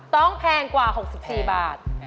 แพงกว่า๖๔บาท